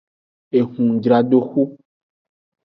Ehunjradoxu.